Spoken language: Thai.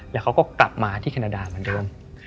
แล้วเขาก็กลับมาที่แคนาดาเหมือนเดิม